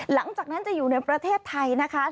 หลังจากนั้นจะอยู่ในประเทศไทยนะคะ